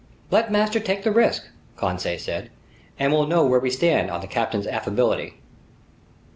"Let master take the risk," Conseil said, "and we'll know where we stand on the captain's affability."